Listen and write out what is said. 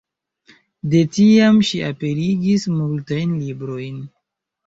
De tiam ŝi aperigis multajn librojn.